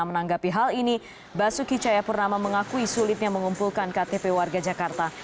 menanggapi hal ini basuki cayapurnama mengakui sulitnya mengumpulkan ktp warga jakarta